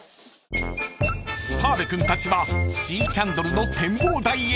［澤部君たちはシーキャンドルの展望台へ］